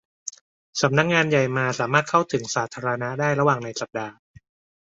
สำนักงานใหญ่มาสามารถเข้าถึงสาธารณะได้ระหว่างในสัปดาห์